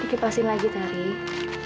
dikit pasin lagi tarik